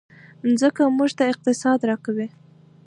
مځکه موږ ته اقتصاد راکوي.